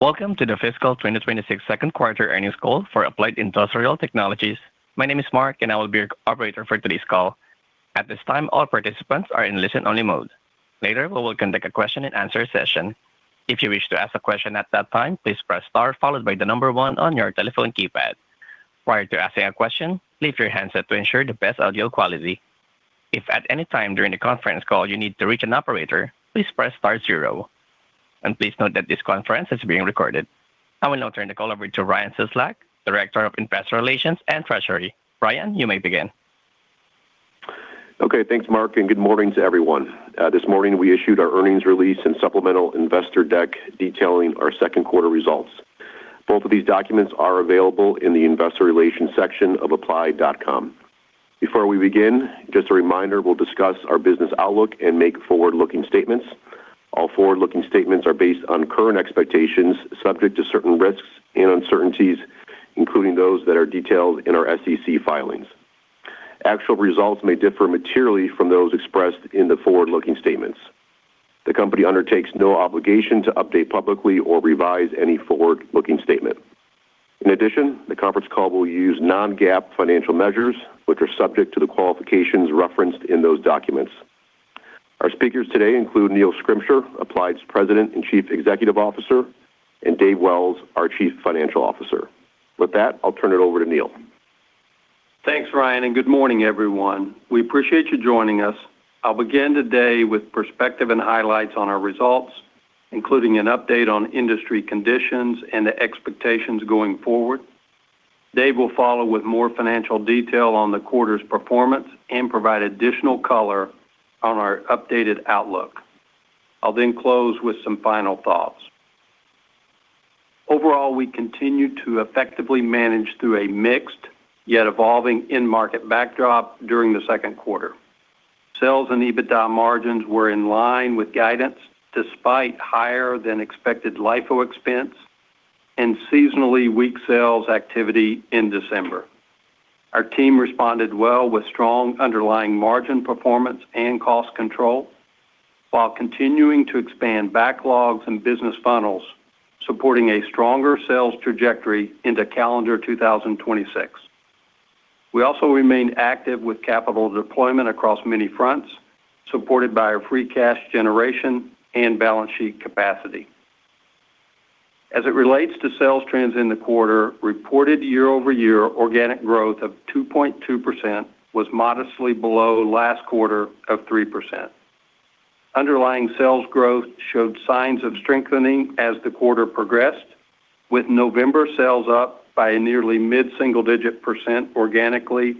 Welcome to the fiscal 2026 second quarter earnings call for Applied Industrial Technologies. My name is Mark, and I will be your operator for today's call. At this time, all participants are in listen-only mode. Later, we will conduct a question-and-answer session. If you wish to ask a question at that time, please press star followed by the number 1 on your telephone keypad. Prior to asking a question, please leave your handset to ensure the best audio quality. If at any time during the conference call you need to reach an operator, please press star zero. Please note that this conference is being recorded. I will now turn the call over to Ryan Cieslak, Director of Investor Relations and Treasury. Ryan, you may begin. Okay, thanks, Mark, and good morning to everyone. This morning, we issued our earnings release and supplemental investor deck detailing our second quarter results. Both of these documents are available in the investor relations section of applied.com. Before we begin, just a reminder, we'll discuss our business outlook and make forward-looking statements. All forward-looking statements are based on current expectations subject to certain risks and uncertainties, including those that are detailed in our SEC filings. Actual results may differ materially from those expressed in the forward-looking statements. The company undertakes no obligation to update publicly or revise any forward-looking statement. In addition, the conference call will use non-GAAP financial measures, which are subject to the qualifications referenced in those documents. Our speakers today include Neil Schrimsher, Applied's President and Chief Executive Officer, and Dave Wells, our Chief Financial Officer. With that, I'll turn it over to Neil. Thanks, Ryan, and good morning, everyone. We appreciate you joining us. I'll begin today with perspective and highlights on our results, including an update on industry conditions and the expectations going forward. Dave will follow with more financial detail on the quarter's performance and provide additional color on our updated outlook. I'll then close with some final thoughts. Overall, we continued to effectively manage through a mixed yet evolving end-market backdrop during the second quarter. Sales and EBITDA margins were in line with guidance despite higher-than-expected LIFO expense and seasonally weak sales activity in December. Our team responded well with strong underlying margin performance and cost control while continuing to expand backlogs and business funnels, supporting a stronger sales trajectory into calendar 2026. We also remained active with capital deployment across many fronts, supported by our free cash generation and balance sheet capacity. As it relates to sales trends in the quarter, reported year-over-year organic growth of 2.2% was modestly below last quarter of 3%. Underlying sales growth showed signs of strengthening as the quarter progressed, with November sales up by a nearly mid-single-digit percent organically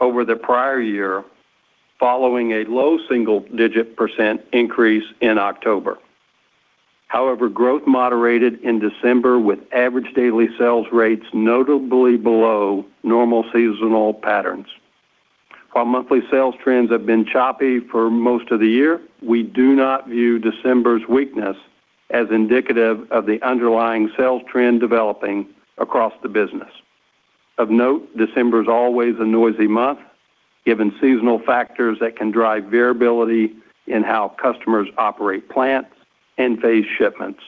over the prior year, following a low single-digit percent increase in October. However, growth moderated in December, with average daily sales rates notably below normal seasonal patterns. While monthly sales trends have been choppy for most of the year, we do not view December's weakness as indicative of the underlying sales trend developing across the business. Of note, December is always a noisy month, given seasonal factors that can drive variability in how customers operate plants and phase shipments.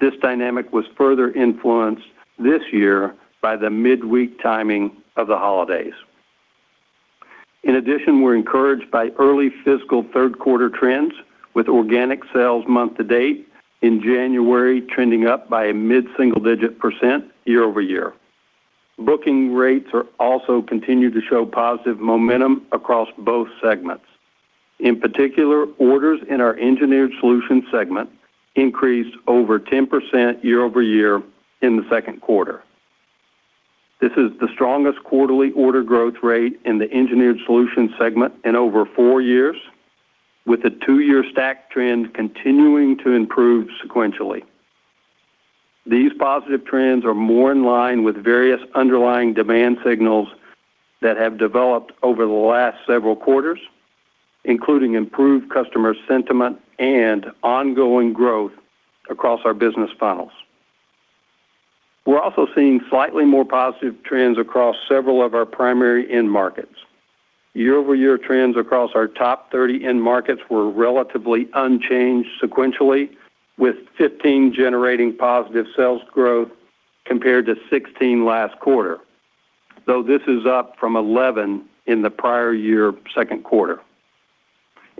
This dynamic was further influenced this year by the midweek timing of the holidays. In addition, we're encouraged by early fiscal third quarter trends, with organic sales month-to-date in January trending up by a mid-single-digit % year-over-year. Booking rates are also continuing to show positive momentum across both segments. In particular, orders in our Engineered Solutions segment increased over 10% year-over-year in the second quarter. This is the strongest quarterly order growth rate in the Engineered Solutions segment in over four years, with the two-year stack trend continuing to improve sequentially. These positive trends are more in line with various underlying demand signals that have developed over the last several quarters, including improved customer sentiment and ongoing growth across our business funnels. We're also seeing slightly more positive trends across several of our primary end markets. Year-over-year trends across our top 30 end markets were relatively unchanged sequentially, with 15 generating positive sales growth compared to 16 last quarter, though this is up from 11 in the prior year second quarter.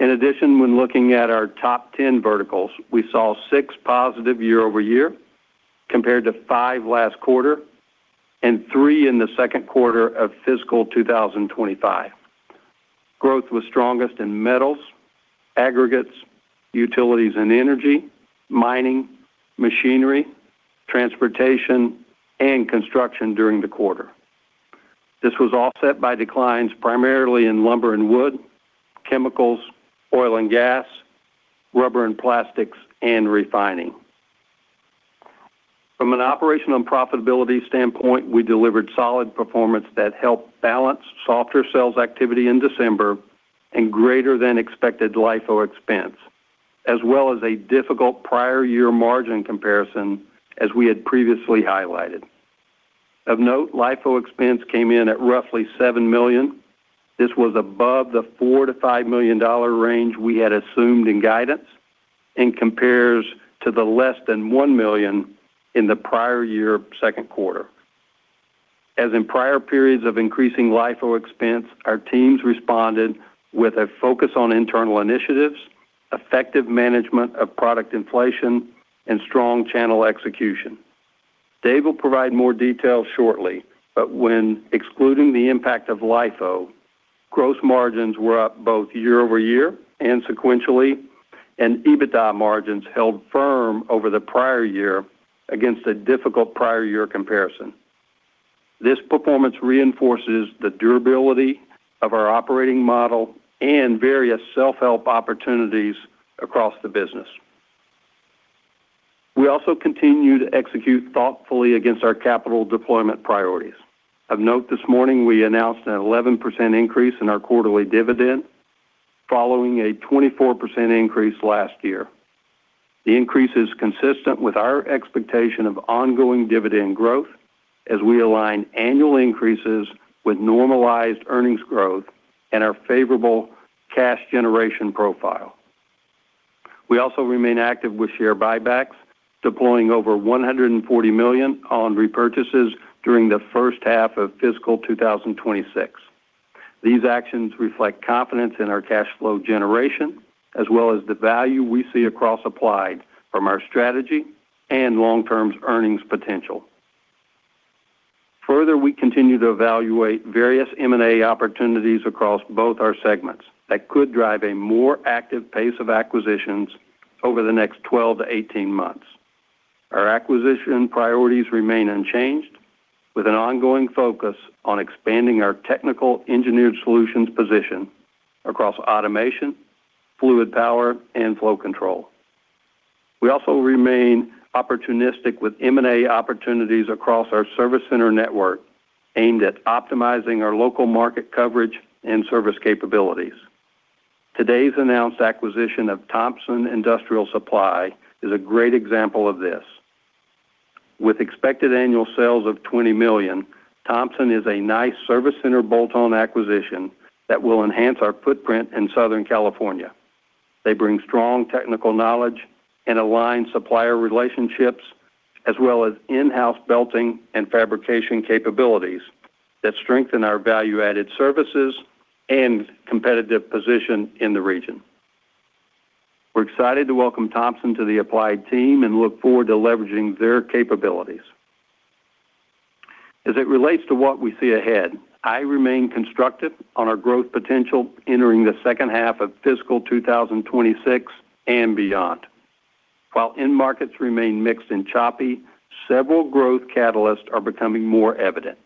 In addition, when looking at our top 10 verticals, we saw six positive year-over-year compared to five last quarter and three in the second quarter of fiscal 2025. Growth was strongest in metals, aggregates, utilities and energy, mining, machinery, transportation, and construction during the quarter. This was offset by declines primarily in lumber and wood, chemicals, oil and gas, rubber and plastics, and refining. From an operational and profitability standpoint, we delivered solid performance that helped balance softer sales activity in December and greater-than-expected LIFO expense, as well as a difficult prior year margin comparison, as we had previously highlighted. Of note, LIFO expense came in at roughly $7 million. This was above the $4-$5 million range we had assumed in guidance and compares to the less than $1 million in the prior year second quarter. As in prior periods of increasing LIFO expense, our teams responded with a focus on internal initiatives, effective management of product inflation, and strong channel execution. Dave will provide more details shortly, but when excluding the impact of LIFO, gross margins were up both year-over-year and sequentially, and EBITDA margins held firm over the prior year against a difficult prior year comparison. This performance reinforces the durability of our operating model and various self-help opportunities across the business. We also continue to execute thoughtfully against our capital deployment priorities. Of note, this morning, we announced an 11% increase in our quarterly dividend, following a 24% increase last year. The increase is consistent with our expectation of ongoing dividend growth as we align annual increases with normalized earnings growth and our favorable cash generation profile. We also remain active with share buybacks, deploying over $140 million on repurchases during the first half of fiscal 2026. These actions reflect confidence in our cash flow generation as well as the value we see across Applied from our strategy and long-term earnings potential. Further, we continue to evaluate various M&A opportunities across both our segments that could drive a more active pace of acquisitions over the next 12-18 months. Our acquisition priorities remain unchanged, with an ongoing focus on expanding our technical Engineered Solutions position across automation, fluid power, and flow control. We also remain opportunistic with M&A opportunities across our service center network aimed at optimizing our local market coverage and service capabilities. Today's announced acquisition of Thompson Industrial Supply is a great example of this. With expected annual sales of $20 million, Thompson is a nice Service Center segment bolt-on acquisition that will enhance our footprint in Southern California. They bring strong technical knowledge and aligned supplier relationships, as well as in-house belting and fabrication capabilities that strengthen our value-added services and competitive position in the region. We're excited to welcome Thompson to the Applied team and look forward to leveraging their capabilities. As it relates to what we see ahead, I remain constructive on our growth potential entering the second half of fiscal 2026 and beyond. While end-markets remain mixed and choppy, several growth catalysts are becoming more evident.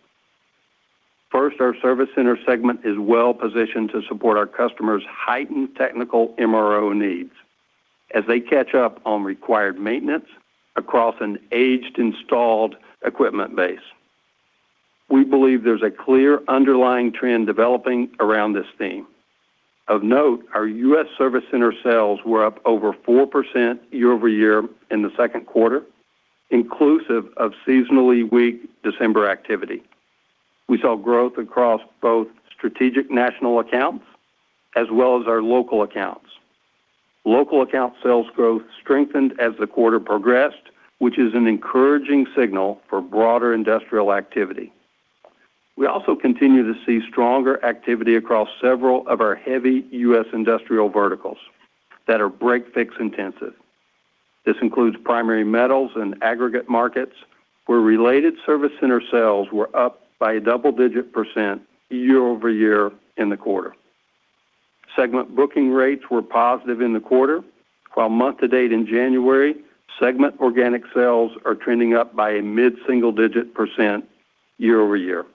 First, our Service Center segment is well-positioned to support our customers' heightened technical MRO needs as they catch up on required maintenance across an aged installed equipment base. We believe there's a clear underlying trend developing around this theme. Of note, our U.S. service center sales were up over 4% year-over-year in the second quarter, inclusive of seasonally weak December activity. We saw growth across both strategic national accounts as well as our local accounts. Local account sales growth strengthened as the quarter progressed, which is an encouraging signal for broader industrial activity. We also continue to see stronger activity across several of our heavy U.S. industrial verticals that are break-fix intensive. This includes primary metals and aggregate markets, where related service center sales were up by a double-digit % year-over-year in the quarter. Segment booking rates were positive in the quarter, while month-to-date in January, segment organic sales are trending up by a mid-single-digit % year-over-year.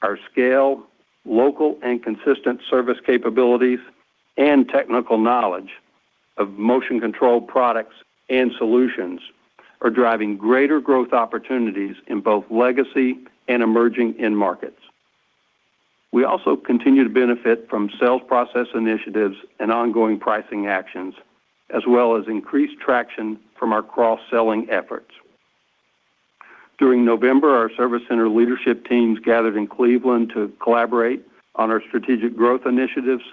Our scale, local and consistent service capabilities, and technical knowledge of motion-controlled products and solutions are driving greater growth opportunities in both legacy and emerging in-markets. We also continue to benefit from sales process initiatives and ongoing pricing actions, as well as increased traction from our cross-selling efforts. During November, our service center leadership teams gathered in Cleveland to collaborate on our strategic growth initiatives,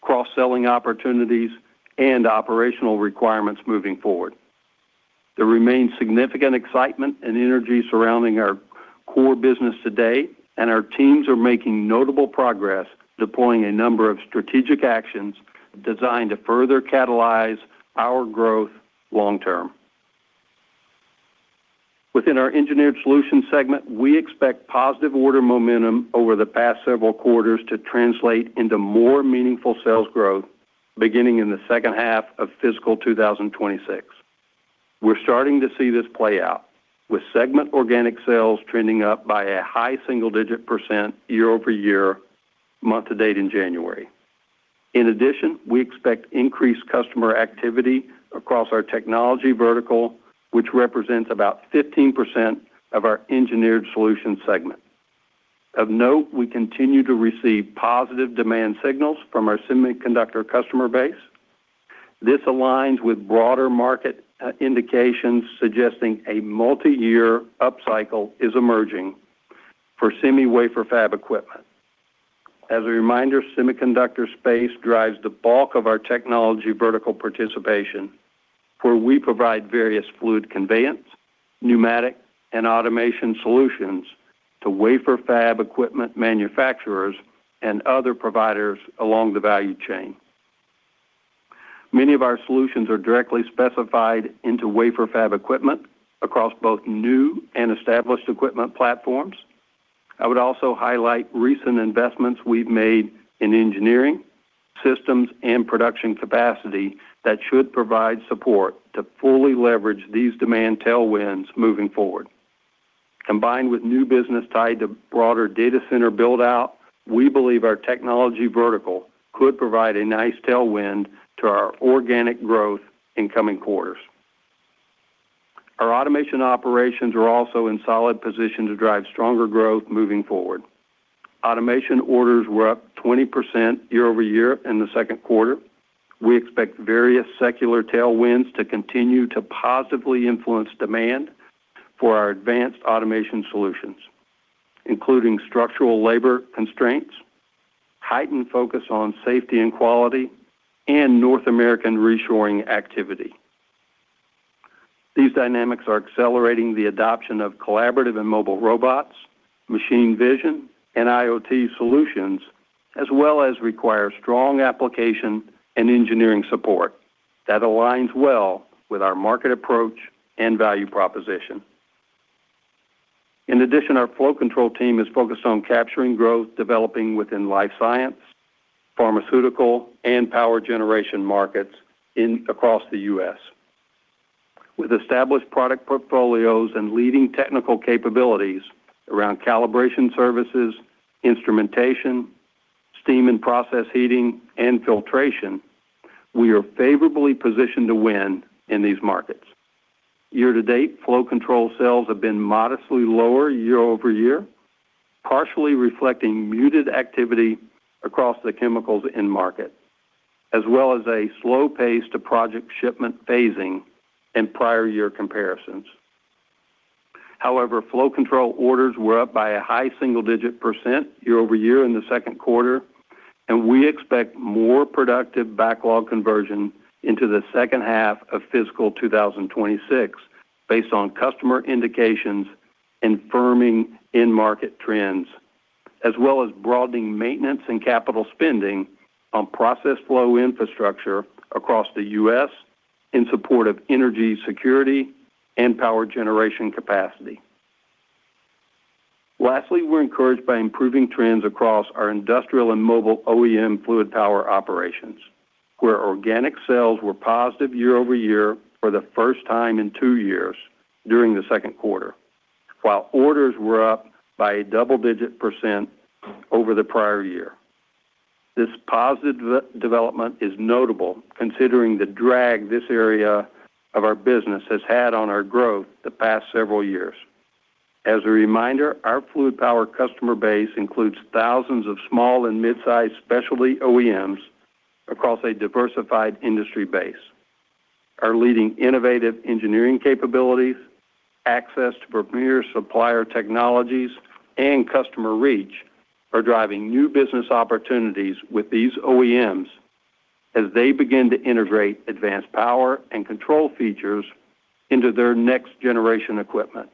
cross-selling opportunities, and operational requirements moving forward. There remains significant excitement and energy surrounding our core business today, and our teams are making notable progress deploying a number of strategic actions designed to further catalyze our growth long-term. Within our Engineered Solutions segment, we expect positive order momentum over the past several quarters to translate into more meaningful sales growth beginning in the second half of fiscal 2026. We're starting to see this play out, with segment organic sales trending up by a high single-digit % year-over-year, month-to-date in January. In addition, we expect increased customer activity across our technology vertical, which represents about 15% of our Engineered Solutions segment. Of note, we continue to receive positive demand signals from our semiconductor customer base. This aligns with broader market indications suggesting a multi-year upcycle is emerging for semi wafer fab equipment. As a reminder, semiconductor space drives the bulk of our technology vertical participation, where we provide various fluid conveyance, pneumatic, and automation solutions to wafer fab equipment manufacturers and other providers along the value chain. Many of our solutions are directly specified into wafer fab equipment across both new and established equipment platforms. I would also highlight recent investments we've made in engineering, systems, and production capacity that should provide support to fully leverage these demand tailwinds moving forward. Combined with new business tied to broader data center build-out, we believe our technology vertical could provide a nice tailwind to our organic growth in coming quarters. Our automation operations are also in solid position to drive stronger growth moving forward. Automation orders were up 20% year-over-year in the second quarter. We expect various secular tailwinds to continue to positively influence demand for our advanced automation solutions, including structural labor constraints, heightened focus on safety and quality, and North American reshoring activity. These dynamics are accelerating the adoption of collaborative and mobile robots, machine vision, and IoT solutions, as well as require strong application and engineering support that aligns well with our market approach and value proposition. In addition, our flow control team is focused on capturing growth developing within life science, pharmaceutical, and power generation markets across the U.S. With established product portfolios and leading technical capabilities around calibration services, instrumentation, steam and process heating, and filtration, we are favorably positioned to win in these markets. Year-to-date, flow control sales have been modestly lower year-over-year, partially reflecting muted activity across the chemicals in-market, as well as a slow pace to project shipment phasing in prior year comparisons. However, flow control orders were up by a high single-digit % year-over-year in the second quarter, and we expect more productive backlog conversion into the second half of fiscal 2026 based on customer indications and firming in-market trends, as well as broadening maintenance and capital spending on process flow infrastructure across the U.S. in support of energy security and power generation capacity. Lastly, we're encouraged by improving trends across our industrial and mobile OEM fluid power operations, where organic sales were positive year-over-year for the first time in two years during the second quarter, while orders were up by a double-digit % over the prior year. This positive development is notable considering the drag this area of our business has had on our growth the past several years. As a reminder, our fluid power customer base includes thousands of small and mid-sized specialty OEMs across a diversified industry base. Our leading innovative engineering capabilities, access to premier supplier technologies, and customer reach are driving new business opportunities with these OEMs as they begin to integrate advanced power and control features into their next-generation equipment.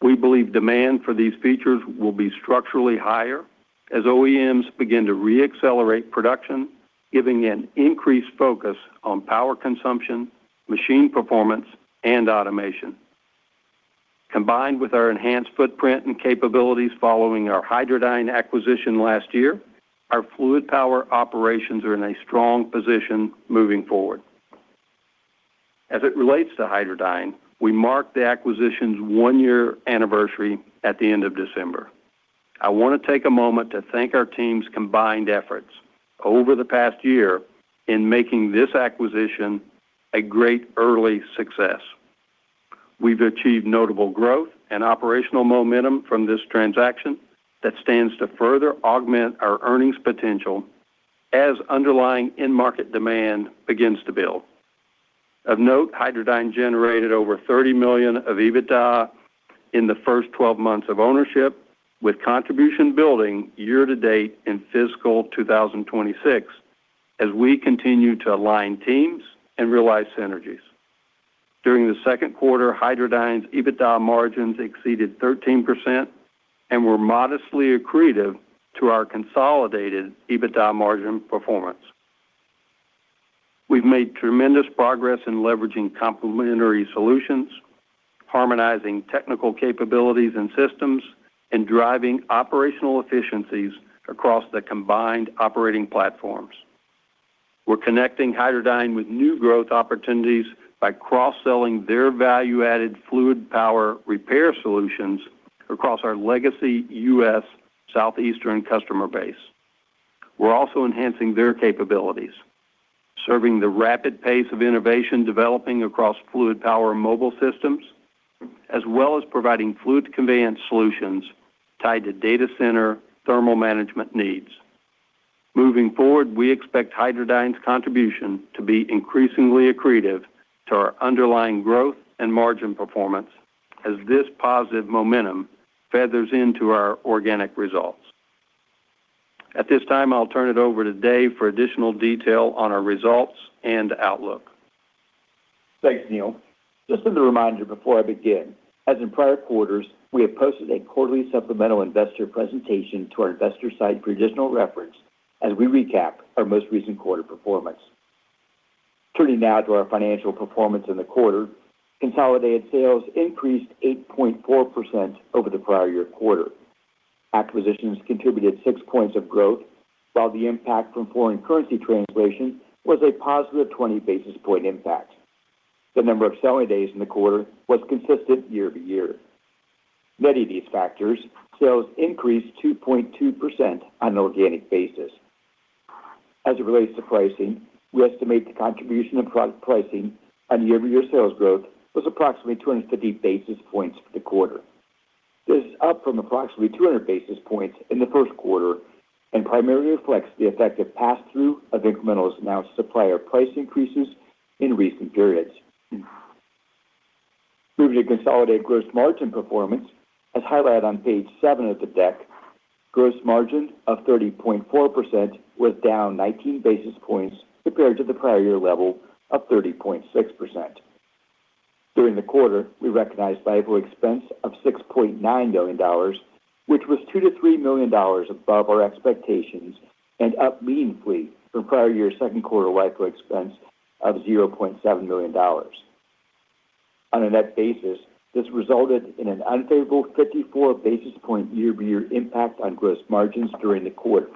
We believe demand for these features will be structurally higher as OEMs begin to re-accelerate production, giving an increased focus on power consumption, machine performance, and automation. Combined with our enhanced footprint and capabilities following our Hydradyne acquisition last year, our fluid power operations are in a strong position moving forward. As it relates to Hydradyne, we mark the acquisition's one-year anniversary at the end of December. I want to take a moment to thank our team's combined efforts over the past year in making this acquisition a great early success. We've achieved notable growth and operational momentum from this transaction that stands to further augment our earnings potential as underlying in-market demand begins to build. Of note, Hydradyne generated over $30 million of EBITDA in the first 12 months of ownership, with contribution building year-to-date in fiscal 2026 as we continue to align teams and realize synergies. During the second quarter, Hydradyne's EBITDA margins exceeded 13% and were modestly accretive to our consolidated EBITDA margin performance. We've made tremendous progress in leveraging complementary solutions, harmonizing technical capabilities and systems, and driving operational efficiencies across the combined operating platforms. We're connecting Hydradyne with new growth opportunities by cross-selling their value-added fluid power repair solutions across our legacy U.S. southeastern customer base. We're also enhancing their capabilities, serving the rapid pace of innovation developing across fluid power mobile systems, as well as providing fluid conveyance solutions tied to data center thermal management needs. Moving forward, we expect Hydradyne's contribution to be increasingly accretive to our underlying growth and margin performance as this positive momentum feathers into our organic results. At this time, I'll turn it over to Dave for additional detail on our results and outlook. Thanks, Neil. Just as a reminder before I begin, as in prior quarters, we have posted a quarterly supplemental investor presentation to our investor site for additional reference as we recap our most recent quarter performance. Turning now to our financial performance in the quarter, consolidated sales increased 8.4% over the prior year quarter. Acquisitions contributed 6 points of growth, while the impact from foreign currency translation was a positive 20 basis point impact. The number of selling days in the quarter was consistent year-to-year. Net of these factors, sales increased 2.2% on an organic basis. As it relates to pricing, we estimate the contribution of product pricing on year-to-year sales growth was approximately 250 basis points for the quarter. This is up from approximately 200 basis points in the first quarter and primarily reflects the effective pass-through of incremental supplier price increases in recent periods. Moving to consolidated gross margin performance, as highlighted on page seven of the deck, gross margin of 30.4% was down 19 basis points compared to the prior year level of 30.6%. During the quarter, we recognized LIFO expense of $6.9 million, which was $2-$3 million above our expectations and up meaningfully from prior year's second quarter LIFO expense of $0.7 million. On a net basis, this resulted in an unfavorable 54 basis point year-to-year impact on gross margins during the quarter.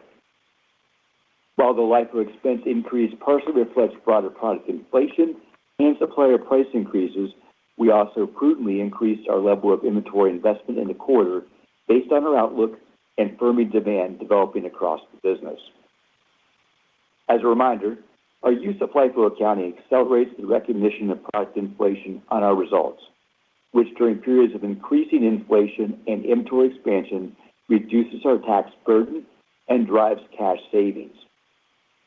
While the LIFO expense increase partially reflects broader product inflation and supplier price increases, we also prudently increased our level of inventory investment in the quarter based on our outlook and firming demand developing across the business. As a reminder, our use of LIFO accounting accelerates the recognition of product inflation on our results, which during periods of increasing inflation and inventory expansion reduces our tax burden and drives cash savings.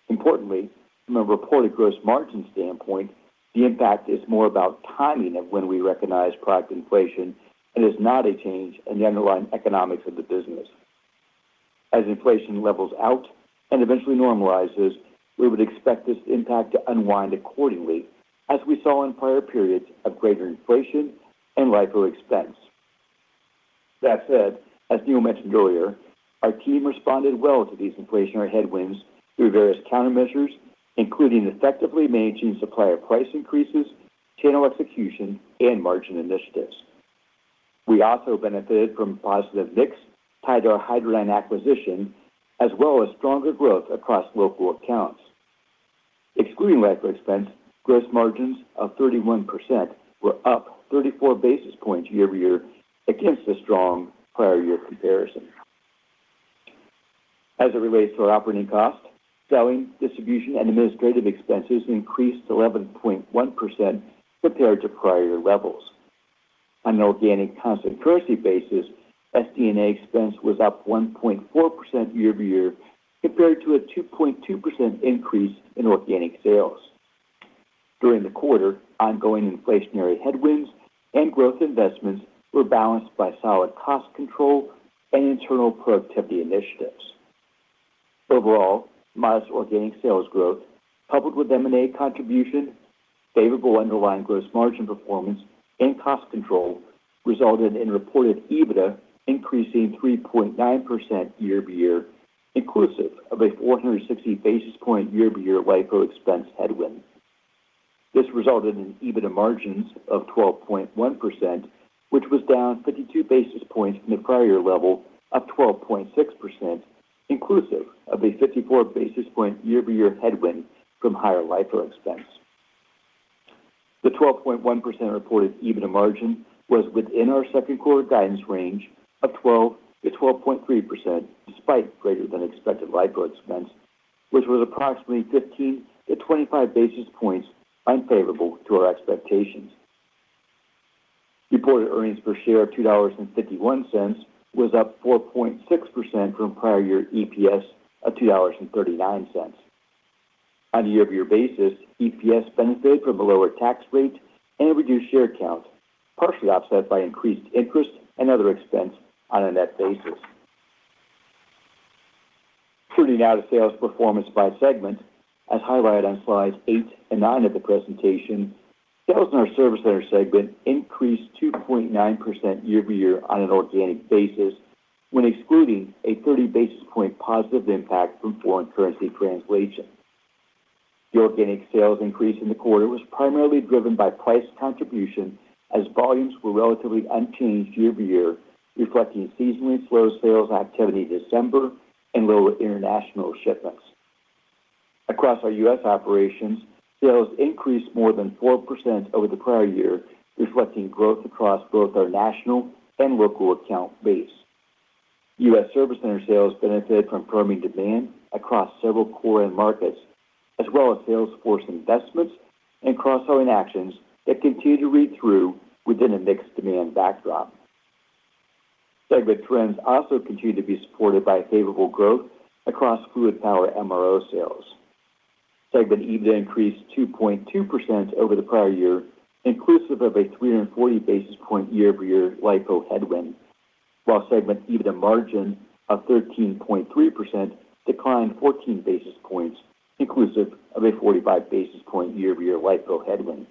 Importantly, from a reported gross margin standpoint, the impact is more about timing of when we recognize product inflation and is not a change in the underlying economics of the business. As inflation levels out and eventually normalizes, we would expect this impact to unwind accordingly, as we saw in prior periods of greater inflation and LIFO expense. That said, as Neil mentioned earlier, our team responded well to these inflationary headwinds through various countermeasures, including effectively managing supplier price increases, channel execution, and margin initiatives. We also benefited from positive mix tied to our Hydradyne acquisition, as well as stronger growth across local accounts. Excluding LIFO expense, gross margins of 31% were up 34 basis points year-to-year against a strong prior year comparison. As it relates to our operating costs, selling, distribution, and administrative expenses increased 11.1% compared to prior year levels. On an organic constant currency basis, SD&A expense was up 1.4% year-to-year compared to a 2.2% increase in organic sales. During the quarter, ongoing inflationary headwinds and growth investments were balanced by solid cost control and internal productivity initiatives. Overall, modest organic sales growth coupled with M&A contribution, favorable underlying gross margin performance, and cost control resulted in reported EBITDA increasing 3.9% year-to-year, inclusive of a 460 basis point year-to-year LIFO expense headwind. This resulted in EBITDA margins of 12.1%, which was down 52 basis points from the prior year level of 12.6%, inclusive of a 54 basis point year-to-year headwind from higher LIFO expense. The 12.1% reported EBITDA margin was within our second quarter guidance range of 12%-12.3%, despite greater than expected LIFO expense, which was approximately 15 to 25 basis points unfavorable to our expectations. Reported earnings per share of $2.51 was up 4.6% from prior year EPS of $2.39. On a year-to-year basis, EPS benefited from a lower tax rate and reduced share count, partially offset by increased interest and other expense on a net basis. Turning now to sales performance by segment, as highlighted on slides 8 and 9 of the presentation, sales in our Service Center segment increased 2.9% year-to-year on an organic basis when excluding a 30 basis point positive impact from foreign currency translation. The organic sales increase in the quarter was primarily driven by price contribution as volumes were relatively unchanged year-to-year, reflecting seasonally slow sales activity in December and lower international shipments. Across our U.S. operations, sales increased more than 4% over the prior year, reflecting growth across both our national and local account base. U.S. service center sales benefited from firming demand across several core end markets, as well as sales force investments and cross-selling actions that continue to read through within a mixed demand backdrop. Segment trends also continue to be supported by favorable growth across fluid power MRO sales. Segment EBITDA increased 2.2% over the prior year, inclusive of a 340 basis point year-to-year LIFO headwind, while segment EBITDA margin of 13.3% declined 14 basis points, inclusive of a 45 basis point year-to-year LIFO headwind.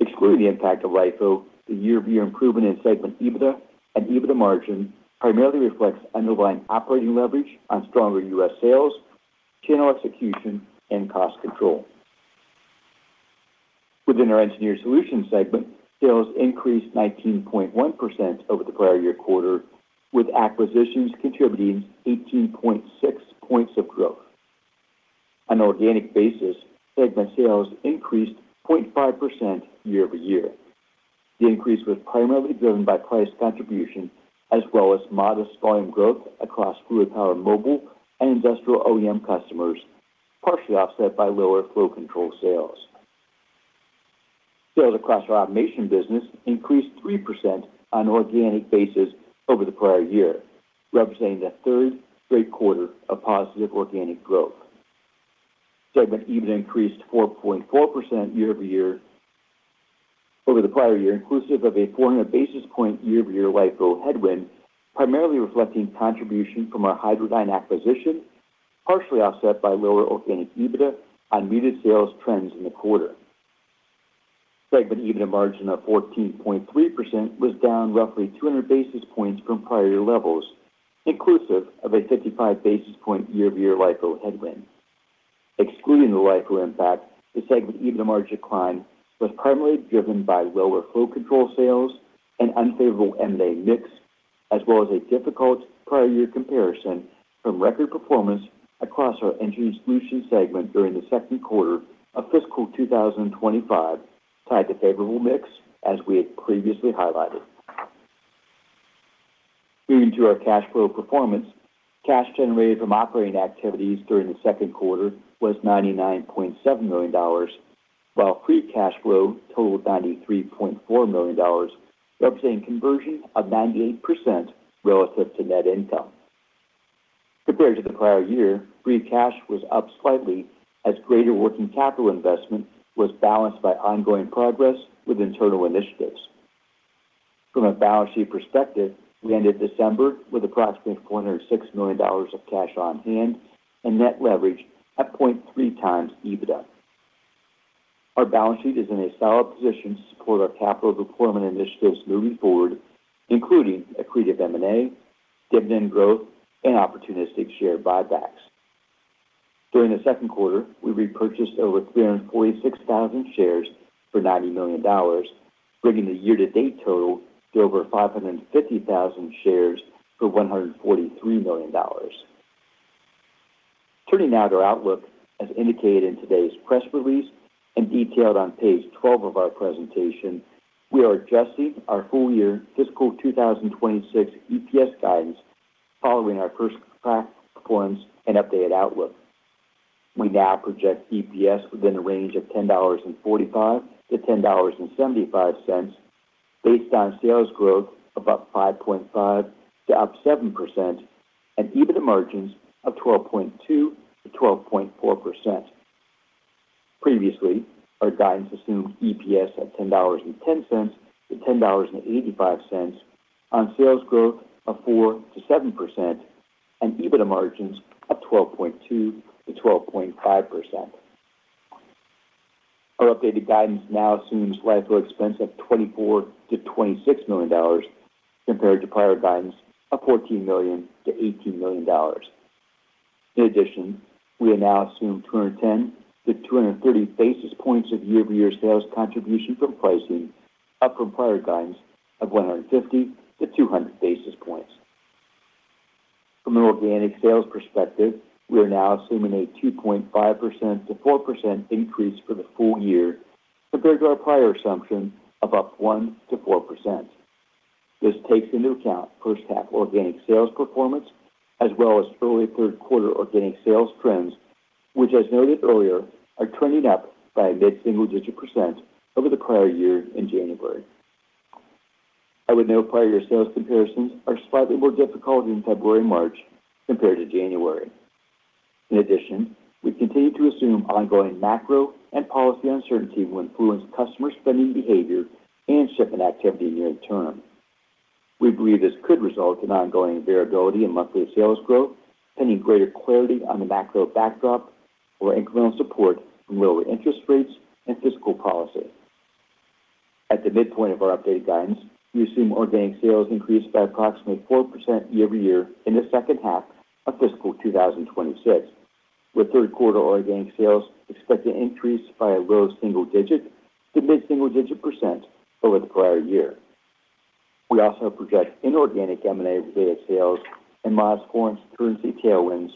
Excluding the impact of LIFO, the year-to-year improvement in segment EBITDA and EBITDA margin primarily reflects underlying operating leverage on stronger U.S. sales, channel execution, and cost control. Within our Engineered Solutions segment, sales increased 19.1% over the prior year quarter, with acquisitions contributing 18.6 points of growth. On an organic basis, segment sales increased 0.5% year-to-year. The increase was primarily driven by price contribution, as well as modest volume growth across fluid power mobile and industrial OEM customers, partially offset by lower flow control sales. Sales across our automation business increased 3% on an organic basis over the prior year, representing a third straight quarter of positive organic growth. Segment EBITDA increased 4.4% year-to-year over the prior year, inclusive of a 400 basis point year-to-year LIFO headwind, primarily reflecting contribution from our Hydradyne acquisition, partially offset by lower organic EBITDA on muted sales trends in the quarter. Segment EBITDA margin of 14.3% was down roughly 200 basis points from prior year levels, inclusive of a 55 basis point year-to-year LIFO headwind. Excluding the LIFO impact, the segment EBITDA margin decline was primarily driven by lower flow control sales and unfavorable M&A mix, as well as a difficult prior year comparison from record performance across our Engineered Solutions segment during the second quarter of fiscal 2025 tied to favorable mix, as we had previously highlighted. Moving to our cash flow performance, cash generated from operating activities during the second quarter was $99.7 million, while free cash flow totaled $93.4 million, representing conversion of 98% relative to net income. Compared to the prior year, free cash was up slightly as greater working capital investment was balanced by ongoing progress with internal initiatives. From a balance sheet perspective, we ended December with approximately $406 million of cash on hand and net leverage at 0.3 times EBITDA. Our balance sheet is in a solid position to support our capital deployment initiatives moving forward, including accretive M&A, dividend growth, and opportunistic share buybacks. During the second quarter, we repurchased over 346,000 shares for $90 million, bringing the year-to-date total to over 550,000 shares for $143 million. Turning now to our outlook, as indicated in today's press release and detailed on page 12 of our presentation, we are adjusting our full year fiscal 2026 EPS guidance following our first performance and updated outlook. We now project EPS within a range of $10.45-$10.75 based on sales growth of up 5.5%-7% and EBITDA margins of 12.2%-12.4%. Previously, our guidance assumed EPS at $10.10-$10.85 on sales growth of 4%-7% and EBITDA margins of 12.2%-12.5%. Our updated guidance now assumes LIFO expense of $24-$26 million compared to prior guidance of $14-$18 million. In addition, we now assume 210-230 basis points of year-to-year sales contribution from pricing, up from prior guidance of 150-200 basis points. From an organic sales perspective, we are now assuming a 2.5%-4% increase for the full year compared to our prior assumption of up 1%-4%. This takes into account first-half organic sales performance as well as early third quarter organic sales trends, which, as noted earlier, are trending up by a mid-single-digit % over the prior year in January. I would note prior year sales comparisons are slightly more difficult in February and March compared to January. In addition, we continue to assume ongoing macro and policy uncertainty will influence customer spending behavior and shipment activity near the term. We believe this could result in ongoing variability in monthly sales growth, pending greater clarity on the macro backdrop or incremental support from lower interest rates and fiscal policy. At the midpoint of our updated guidance, we assume organic sales increase by approximately 4% year-to-year in the second half of fiscal 2026, with third quarter organic sales expected to increase by a low single-digit to mid-single-digit % over the prior year. We also project inorganic M&A-related sales and modest foreign currency tailwinds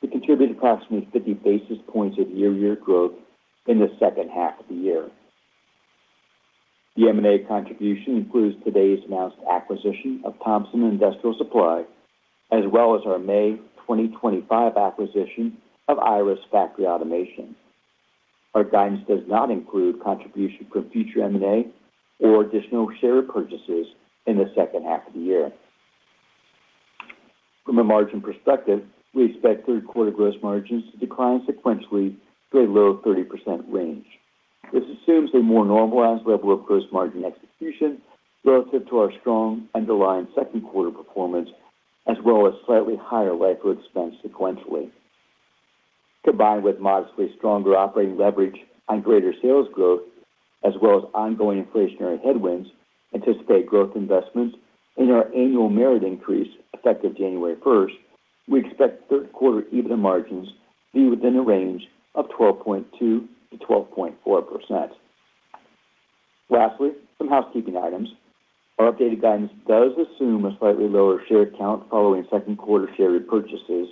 to contribute approximately 50 basis points of year-to-year growth in the second half of the year. The M&A contribution includes today's announced acquisition of Thompson Industrial Supply, as well as our May 2025 acquisition of IRIS Factory Automation. Our guidance does not include contribution from future M&A or additional share purchases in the second half of the year. From a margin perspective, we expect third quarter gross margins to decline sequentially to a low 30% range. This assumes a more normalized level of gross margin execution relative to our strong underlying second quarter performance, as well as slightly higher LIFO expense sequentially. Combined with modestly stronger operating leverage on greater sales growth, as well as ongoing inflationary headwinds, anticipate growth investments in our annual merit increase effective January 1st. We expect third quarter EBITDA margins to be within a range of 12.2%-12.4%. Lastly, some housekeeping items. Our updated guidance does assume a slightly lower share count following second quarter share repurchases,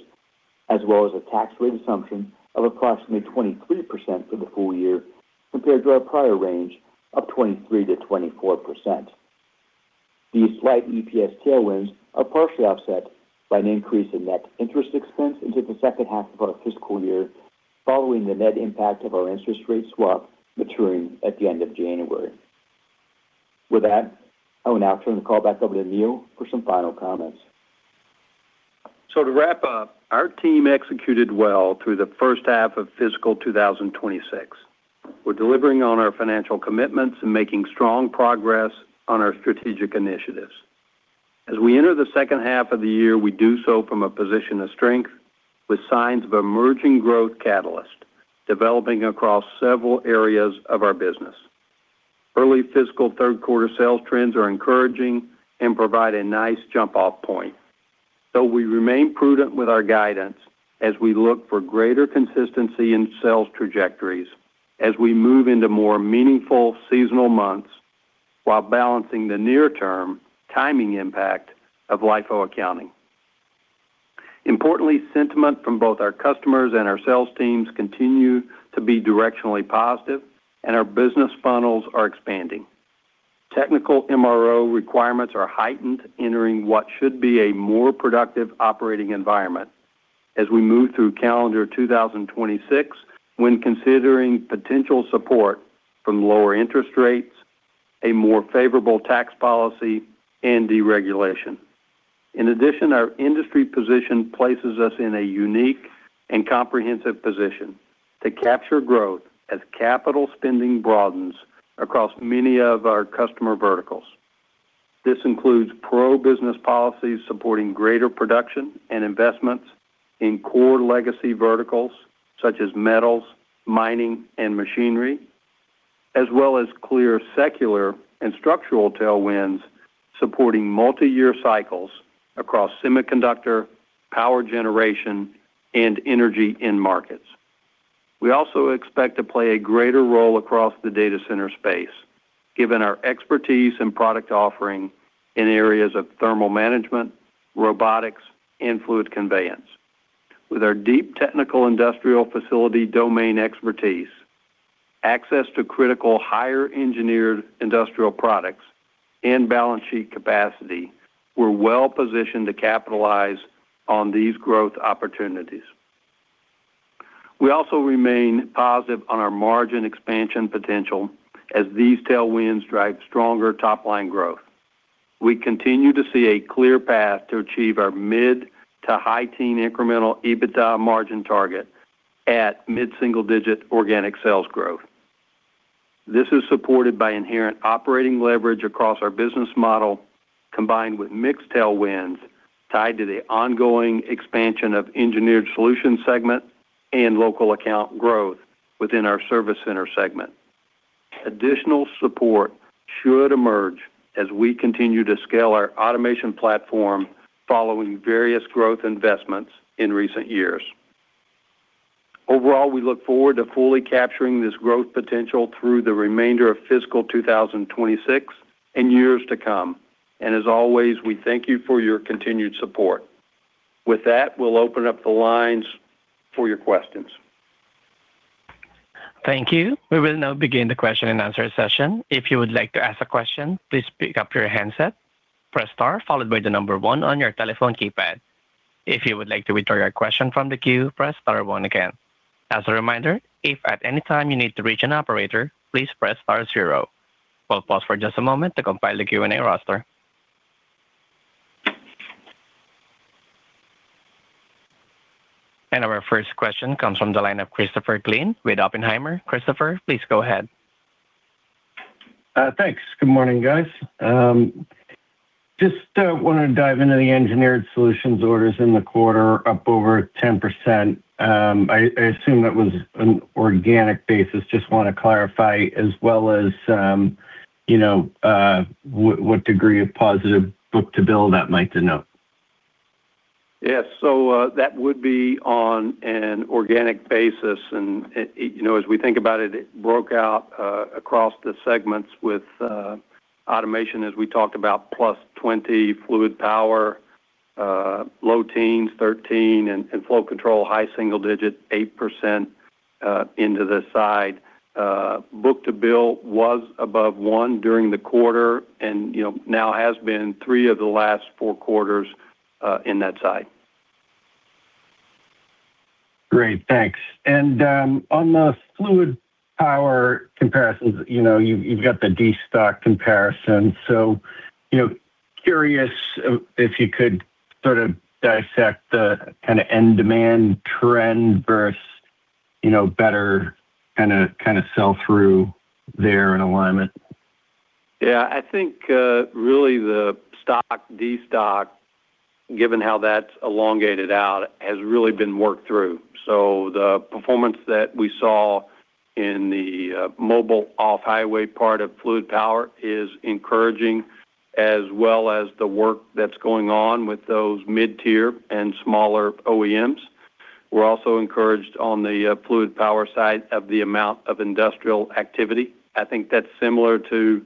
as well as a tax rate assumption of approximately 23% for the full year compared to our prior range of 23%-24%. These slight EPS tailwinds are partially offset by an increase in net interest expense into the second half of our fiscal year following the net impact of our interest rate swap maturing at the end of January. With that, I will now turn the call back over to Neil for some final comments. So to wrap up, our team executed well through the first half of fiscal 2026. We're delivering on our financial commitments and making strong progress on our strategic initiatives. As we enter the second half of the year, we do so from a position of strength with signs of emerging growth catalysts developing across several areas of our business. Early fiscal third quarter sales trends are encouraging and provide a nice jump-off point. We remain prudent with our guidance as we look for greater consistency in sales trajectories as we move into more meaningful seasonal months while balancing the near-term timing impact of LIFO accounting. Importantly, sentiment from both our customers and our sales teams continues to be directionally positive, and our business funnels are expanding. Technical MRO requirements are heightened, entering what should be a more productive operating environment as we move through calendar 2026 when considering potential support from lower interest rates, a more favorable tax policy, and deregulation. In addition, our industry position places us in a unique and comprehensive position to capture growth as capital spending broadens across many of our customer verticals. This includes pro-business policies supporting greater production and investments in core legacy verticals such as metals, mining, and machinery, as well as clear secular and structural tailwinds supporting multi-year cycles across semiconductor, power generation, and energy end-markets. We also expect to play a greater role across the data center space, given our expertise and product offering in areas of thermal management, robotics, and fluid conveyance. With our deep technical industrial facility domain expertise, access to critical higher-engineered industrial products, and balance sheet capacity, we're well positioned to capitalize on these growth opportunities. We also remain positive on our margin expansion potential as these tailwinds drive stronger top-line growth. We continue to see a clear path to achieve our mid-to-high-teens incremental EBITDA margin target at mid-single-digit organic sales growth. This is supported by inherent operating leverage across our business model, combined with mixed tailwinds tied to the ongoing expansion of Engineered Solutions segment and local account growth within our Service Center segment. Additional support should emerge as we continue to scale our automation platform following various growth investments in recent years. Overall, we look forward to fully capturing this growth potential through the remainder of fiscal 2026 and years to come. And as always, we thank you for your continued support. With that, we'll open up the lines for your questions. Thank you. We will now begin the question and answer session. If you would like to ask a question, please pick up your handset, press star, followed by the number one on your telephone keypad. If you would like to withdraw your question from the queue, press star one again. As a reminder, if at any time you need to reach an operator, please press star zero. We'll pause for just a moment to compile the Q&A roster. Our first question comes from the line of Christopher Glynn with Oppenheimer. Christopher, please go ahead. Thanks. Good morning, guys. Just wanted to dive into the Engineered Solutions orders in the quarter, up over 10%. I assume that was an organic basis. Just want to clarify, as well as what degree of positive book-to-bill that might denote. Yes. So that would be on an organic basis. And as we think about it, it broke out across the segments with automation, as we talked about, +20% fluid power, low teens, 13%, and flow control, high single digit, 8% into the side. Book-to-bill was above 1 during the quarter and now has been 3 of the last 4 quarters in that side. Great. Thanks. And on the fluid power comparisons, you've got the destocking comparison. So curious if you could sort of dissect the kind of end demand trend versus better kind of sell-through there and alignment. Yeah. I think really the stock, destocking, given how that's elongated out, has really been worked through. So the performance that we saw in the mobile off-highway part of fluid power is encouraging, as well as the work that's going on with those mid-tier and smaller OEMs. We're also encouraged on the fluid power side of the amount of industrial activity. I think that's similar to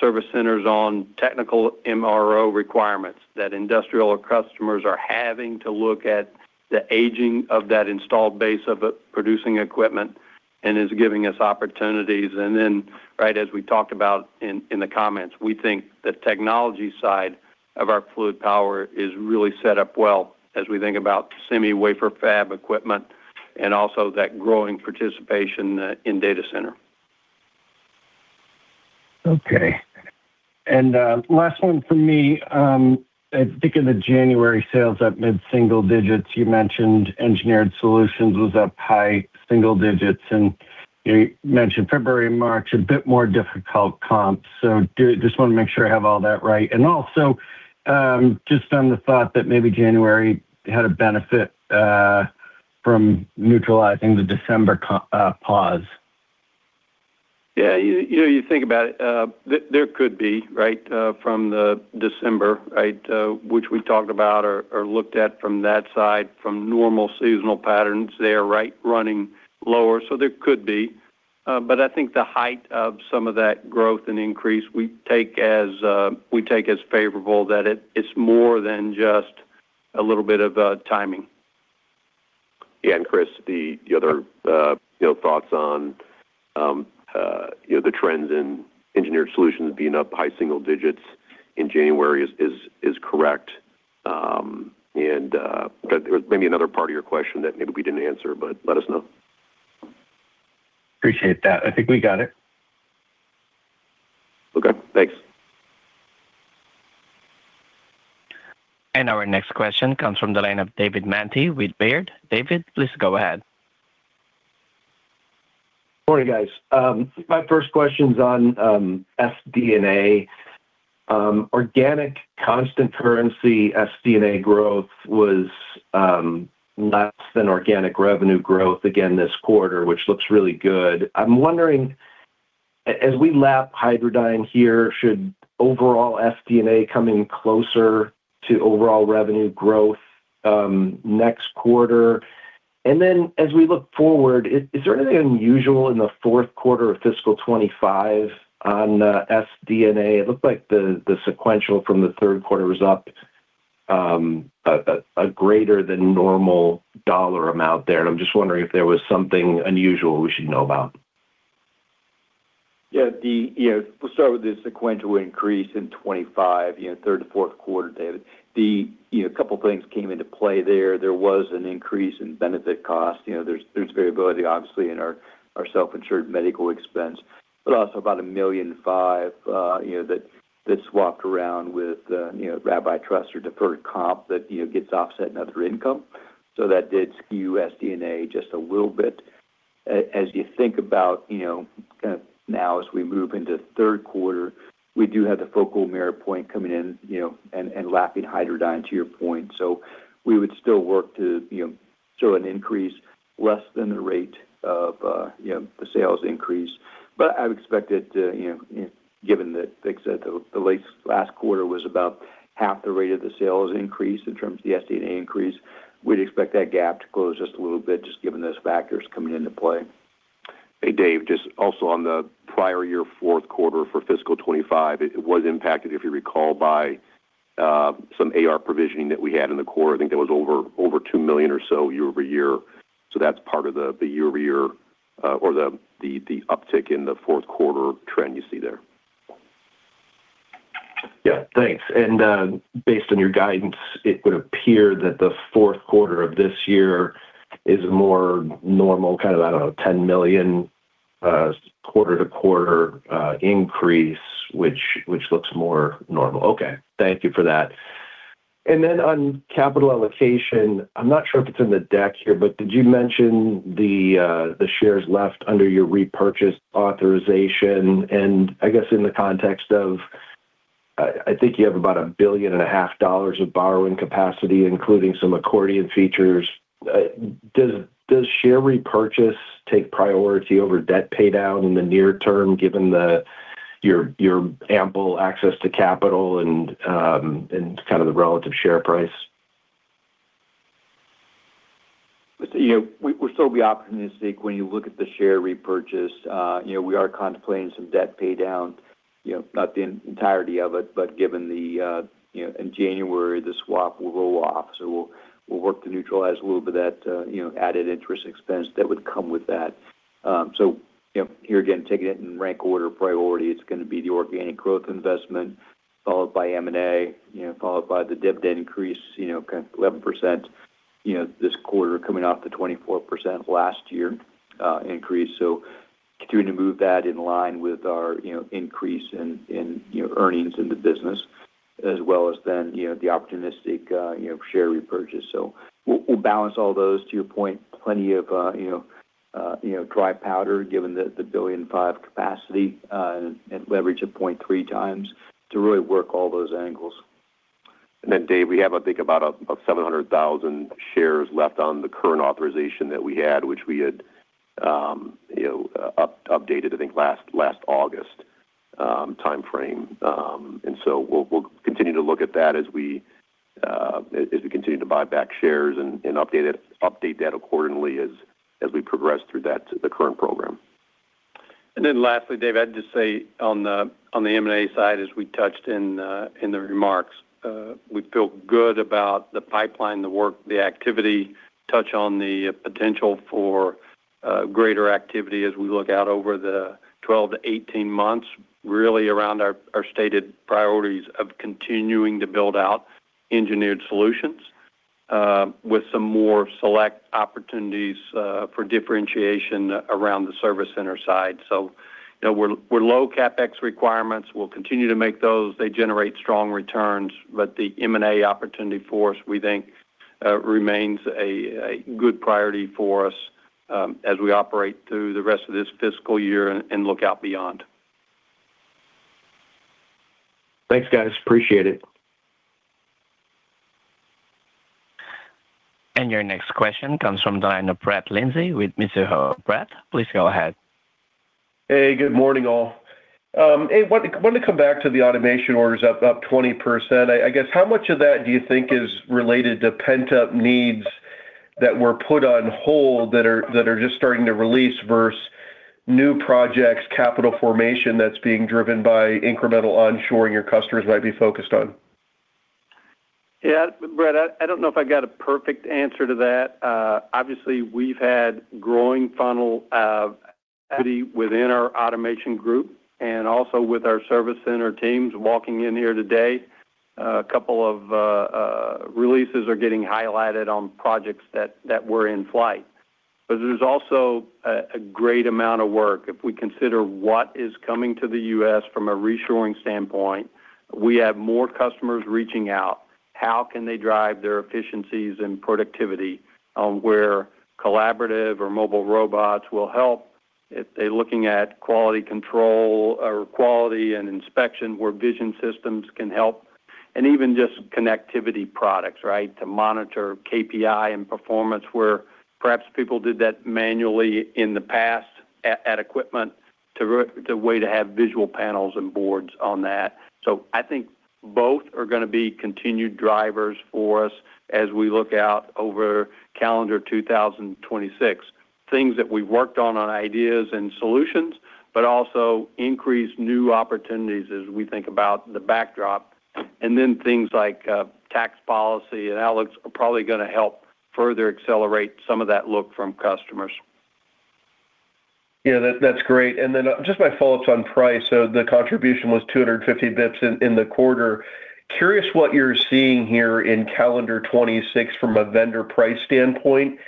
service centers on technical MRO requirements, that industrial customers are having to look at the aging of that installed base of producing equipment and is giving us opportunities. And then, right as we talked about in the comments, we think the technology side of our fluid power is really set up well as we think about semi-wafer fab equipment and also that growing participation in data center. Okay. And last one for me. I think of the January sales at mid-single digits. You mentioned Engineered Solutions was up high single digits. And you mentioned February, March, a bit more difficult comps. So just want to make sure I have all that right. And also just on the thought that maybe January had a benefit from neutralizing the December pause. Yeah. You think about it. There could be, right, from the December, right, which we talked about or looked at from that side, from normal seasonal patterns there, right, running lower. So there could be. But I think the height of some of that growth and increase we take as favorable that it's more than just a little bit of timing. Yeah. And Chris, the other thoughts on the trends in Engineered Solutions being up high single digits in January is correct. And there was maybe another part of your question that maybe we didn't answer, but let us know. Appreciate that. I think we got it. Okay. Thanks. And our next question comes from the line of David Manthey with Baird. David, please go ahead. Morning, guys. My first question is on SD&A. Organic constant currency SD&A growth was less than organic revenue growth again this quarter, which looks really good. I'm wondering, as we lap Hydradyne here, should overall SD&A come in closer to overall revenue growth next quarter? And then as we look forward, is there anything unusual in the fourth quarter of fiscal 2025 on SD&A? It looked like the sequential from the third quarter was up a greater than normal dollar amount there. And I'm just wondering if there was something unusual we should know about. Yeah. We'll start with the sequential increase in 2025, third to fourth quarter, David. A couple of things came into play there. There was an increase in benefit cost. There's variability, obviously, in our self-insured medical expense, but also about $1.5 million that swapped around with Rabbi Trust or deferred comp that gets offset in other income. So that did skew SD&A just a little bit. As you think about kind of now as we move into third quarter, we do have the focal merit point coming in and lapping Hydradyne, to your point. So we would still work to show an increase less than the rate of the sales increase. But I would expect it, given that, like I said, the last quarter was about half the rate of the sales increase in terms of the SD&A increase. We'd expect that gap to close just a little bit, just given those factors coming into play. Hey, Dave, just also on the prior year fourth quarter for fiscal 2025, it was impacted, if you recall, by some AR provisioning that we had in the quarter. I think that was over $2 million or so year-over-year. So that's part of the year-over-year or the uptick in the fourth quarter trend you see there. Yeah. Thanks. And based on your guidance, it would appear that the fourth quarter of this year is a more normal kind of, I don't know, $10 million quarter-to-quarter increase, which looks more normal. Okay. Thank you for that. And then on capital allocation, I'm not sure if it's in the deck here, but did you mention the shares left under your repurchase authorization? And I guess in the context of, I think you have about $1.5 billion of borrowing capacity, including some accordion features. Does share repurchase take priority over debt paydown in the near term, given your ample access to capital and kind of the relative share price? We're still be optimistic when you look at the share repurchase. We are contemplating some debt paydown, not the entirety of it, but given the in January, the swap will roll off. So we'll work to neutralize a little bit of that added interest expense that would come with that. So here again, taking it in rank order priority, it's going to be the organic growth investment, followed by M&A, followed by the dividend increase, kind of 11% this quarter coming off the 24% last year increase. So continuing to move that in line with our increase in earnings in the business, as well as then the opportunistic share repurchase. So we'll balance all those, to your point, plenty of dry powder, given the $1.5 billion capacity and leverage at 0.3x to really work all those angles. And then, Dave, we have, I think, about 700,000 shares left on the current authorization that we had, which we had updated, I think, last August timeframe. And so we'll continue to look at that as we continue to buy back shares and update that accordingly as we progress through the current program. And then lastly, Dave, I'd just say on the M&A side, as we touched in the remarks, we feel good about the pipeline, the work, the activity, touch on the potential for greater activity as we look out over the 12-18 months, really around our stated priorities of continuing to build out Engineered Solutions with some more select opportunities for differentiation around the service center side. So we're low CapEx requirements. We'll continue to make those. They generate strong returns, but the M&A opportunity for us, we think, remains a good priority for us as we operate through the rest of this fiscal year and look out beyond. Thanks, guys. Appreciate it. Your next question comes from the line of Brett Linzey with Mizuho. Brett, please go ahead. Hey, good morning, all. Hey, I wanted to come back to the automation orders up 20%. I guess how much of that do you think is related to pent-up needs that were put on hold that are just starting to release versus new projects, capital formation that's being driven by incremental onshoring your customers might be focused on? Yeah. Brett, I don't know if I got a perfect answer to that. Obviously, we've had growing funnel within our automation group and also with our service center teams walking in here today. A couple of releases are getting highlighted on projects that were in flight. But there's also a great amount of work. If we consider what is coming to the U.S. from a reshoring standpoint, we have more customers reaching out. How can they drive their efficiencies and productivity where collaborative or mobile robots will help? They're looking at quality control or quality and inspection where vision systems can help, and even just connectivity products, right, to monitor KPI and performance where perhaps people did that manually in the past at equipment to a way to have visual panels and boards on that. So I think both are going to be continued drivers for us as we look out over calendar 2026. Things that we've worked on, on ideas and solutions, but also increased new opportunities as we think about the backdrop. And then things like tax policy and outlooks are probably going to help further accelerate some of that look from customers. Yeah. That's great. And then just my follow-ups on price. So the contribution was 250 basis points in the quarter. Curious what you're seeing here in calendar 2026 from a vendor price standpoint,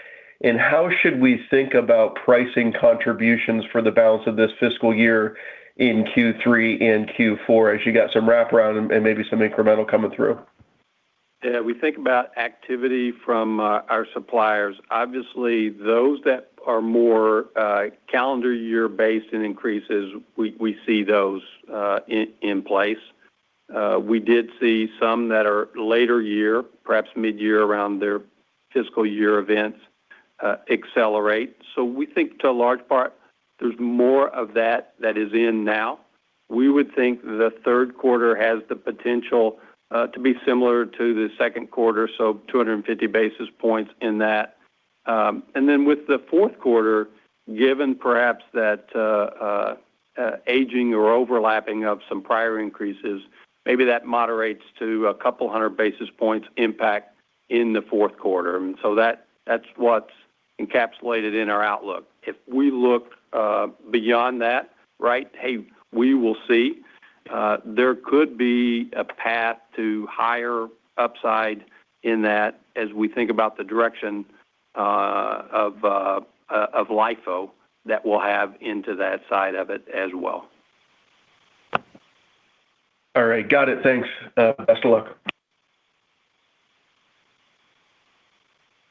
and how should we think about pricing contributions for the balance of this fiscal year in Q3 and Q4 as you got some wrap-around and maybe some incremental coming through? Yeah. We think about activity from our suppliers. Obviously, those that are more calendar year-based and increases, we see those in place. We did see some that are later year, perhaps mid-year around their fiscal year events, accelerate. So we think to a large part, there's more of that that is in now. We would think the third quarter has the potential to be similar to the second quarter, so 250 basis points in that. And then with the fourth quarter, given perhaps that aging or overlapping of some prior increases, maybe that moderates to a couple hundred basis points impact in the fourth quarter. And so that's what's encapsulated in our outlook. If we look beyond that, right, hey, we will see. There could be a path to higher upside in that as we think about the direction of LIFO that we'll have into that side of it as well. All right. Got it. Thanks. Best of luck.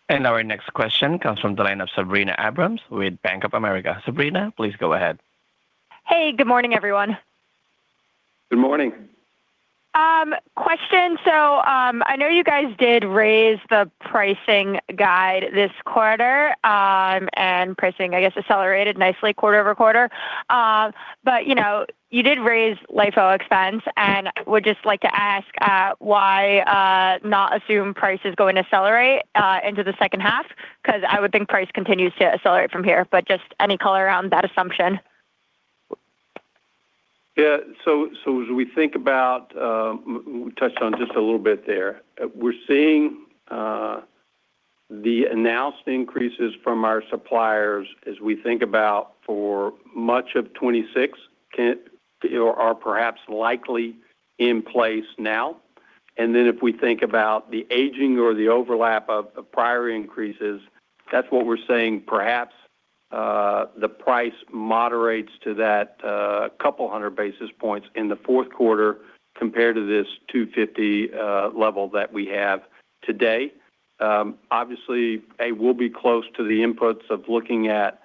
And our next question comes from the line of Sabrina Abrams with Bank of America. Sabrina, please go ahead. Hey, good morning, everyone. Good morning. Question. So I know you guys did raise the pricing guide this quarter, and pricing, I guess, accelerated nicely quarter-over-quarter. But you did raise LIFO expense, and we'd just like to ask why not assume prices going to accelerate into the second half? Because I would think price continues to accelerate from here, but just any color around that assumption. Yeah. So as we think about, we touched on just a little bit there. We're seeing the announced increases from our suppliers as we think about for much of 2026 are perhaps likely in place now. And then if we think about the aging or the overlap of prior increases, that's what we're saying perhaps the price moderates to that 200 basis points in the fourth quarter compared to this 250 level that we have today. Obviously, we'll be close to the inputs of looking at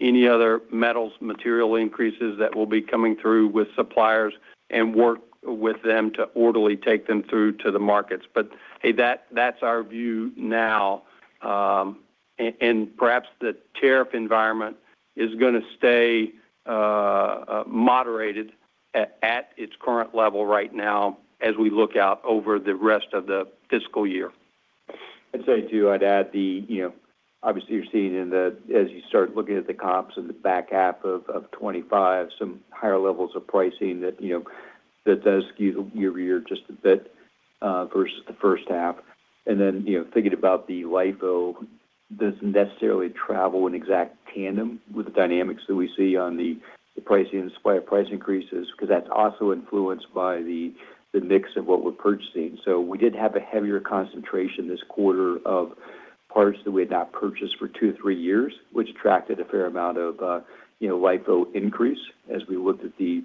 any other metals, material increases that will be coming through with suppliers and work with them to orderly take them through to the markets. But hey, that's our view now. And perhaps the tariff environment is going to stay moderated at its current level right now as we look out over the rest of the fiscal year. I'd say too, I'd add the, obviously, you're seeing in the, as you start looking at the comps in the back half of 2025, some higher levels of pricing that does skew year-over-year just a bit versus the first half. And then thinking about the LIFO, doesn't necessarily travel in exact tandem with the dynamics that we see on the pricing and supplier price increases because that's also influenced by the mix of what we're purchasing. So we did have a heavier concentration this quarter of parts that we had not purchased for 2 to 3 years, which attracted a fair amount of LIFO increase as we looked at the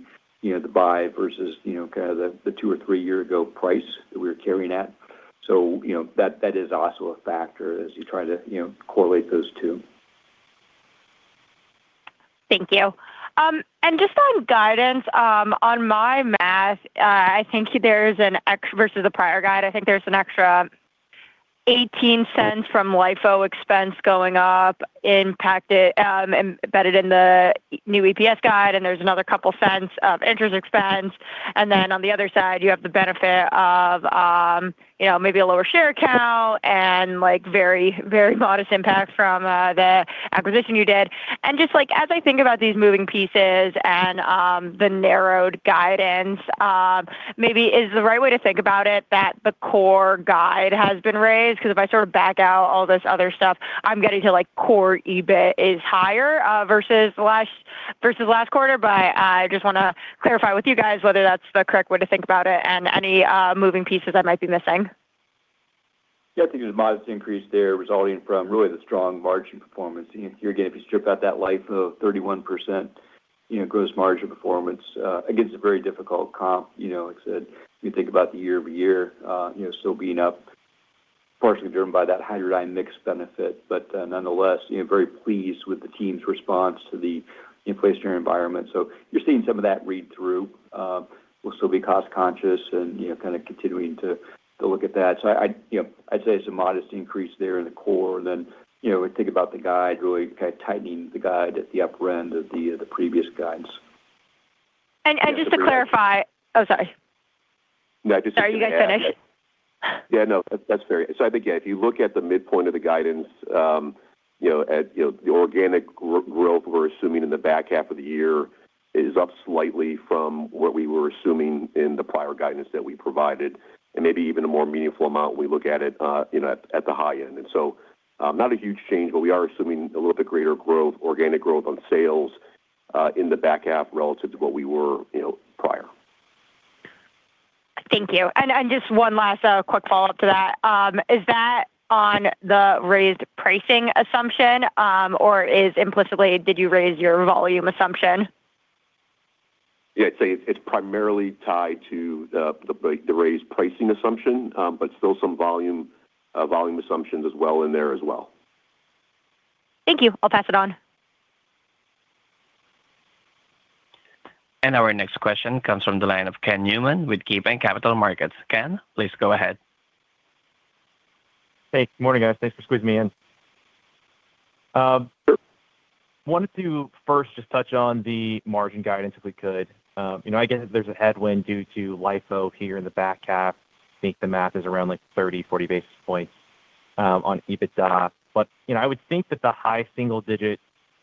buy versus kind of the 2 or 3-year-ago price that we were carrying at. So that is also a factor as you try to correlate those two. Thank you. And just on guidance, on my math, I think there's an extra versus the prior guide, I think there's an extra $0.18 from LIFO expense going up, embedded in the new EPS guide, and there's another couple cents of interest expense. And then on the other side, you have the benefit of maybe a lower share count and very, very modest impact from the acquisition you did. And just as I think about these moving pieces and the narrowed guidance, maybe is the right way to think about it that the core guide has been raised? Because if I sort of back out all this other stuff, I'm getting to core EBIT is higher versus last quarter, but I just want to clarify with you guys whether that's the correct way to think about it and any moving pieces I might be missing. Yeah. I think there's a modest increase there resulting from really the strong margin performance. You're going to see stripped out that LIFO of 31% gross margin performance against a very difficult comp. Like I said, you think about the year-over-year still being up, partially driven by that Hydradyne mix benefit, but nonetheless, very pleased with the team's response to the pricing environment. So you're seeing some of that read through. We'll still be cost-conscious and kind of continuing to look at that. So I'd say it's a modest increase there in the core. And then we think about the guide, really kind of tightening the guide at the upper end of the previous guides. And just to clarify. Oh, sorry. Sorry, you guys finished. Yeah. No, that's fair. So, I think, yeah, if you look at the midpoint of the guidance, the organic growth we're assuming in the back half of the year is up slightly from what we were assuming in the prior guidance that we provided, and maybe even a more meaningful amount when we look at it at the high end. And so, not a huge change, but we are assuming a little bit greater organic growth on sales in the back half relative to what we were prior. Thank you. And just one last quick follow-up to that. Is that on the raised pricing assumption, or did you raise your volume assumption? Yeah. I'd say it's primarily tied to the raised pricing assumption, but still some volume assumptions as well in there as well. Thank you. I'll pass it on. And our next question comes from the line of Ken Newman with KeyBanc Capital Markets. Ken, please go ahead. Hey. Good morning, guys. Thanks for squeezing me in. Wanted to first just touch on the margin guidance if we could. I guess there's a headwind due to LIFO here in the back half. I think the math is around 30-40 basis points on EBITDA. But I would think that the high single-digit,